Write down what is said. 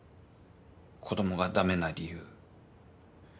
子供が駄目な理由。